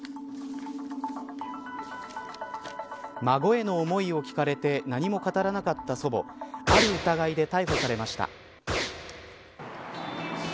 孫への思いを聞かれて何も語らなかった祖母ある疑いで逮捕されました。